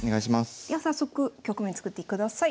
では早速局面作ってください。